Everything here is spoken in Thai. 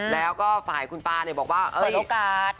แล้วก็ฝ่ายคุณป้าบอกว่ามีโอกาส